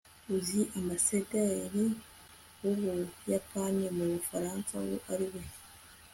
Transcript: uzi ambasaderi w'ubuyapani mu bufaransa uwo ari we